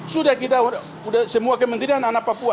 sudah kita semua kementerian anak papua